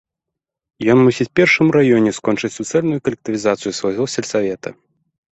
Ён мусіць першы ў раёне скончыць суцэльную калектывізацыю свайго сельсавета.